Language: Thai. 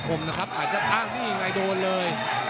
ต้องออกครับอาวุธต้องขยันด้วย